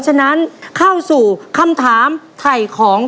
แล้ววันนี้ผมมีสิ่งหนึ่งนะครับเป็นตัวแทนกำลังใจจากผมเล็กน้อยครับ